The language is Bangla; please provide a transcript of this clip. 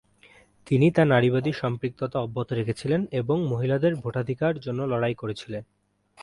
তিনি তার নারীবাদী সম্পৃক্ততা অব্যাহত রেখেছিলেন এবং মহিলাদের ভোটাধিকার জন্য লড়াই করেছিলেন।